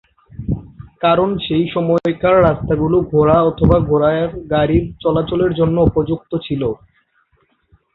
কারণ সেই সময়কার রাস্তাগুলো ঘোড়া অথবা ঘোড়ার গাড়ির চলাচলের জন্য উপযুক্ত ছিল।